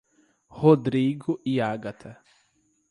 Rodrigo e Agatha